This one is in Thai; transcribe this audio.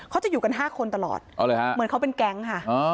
เขาจะอยู่กัน๕คนตลอดเหมือนเขาเป็นแก๊งค่ะ